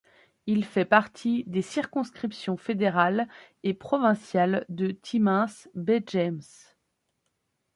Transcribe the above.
Il fait partie des circonscriptions fédérale et provinciale de Timmins—Baie James.